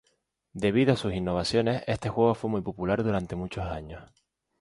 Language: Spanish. Debido a sus innovaciones este juego fue muy popular durante muchos años.